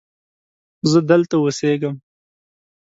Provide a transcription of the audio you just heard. زه دلته اوسیږم